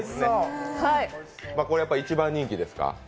これは一番人気ですか？